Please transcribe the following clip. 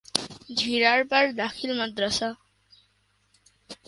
ঝিড়ারপাড় দাখিল মাদ্রাসা।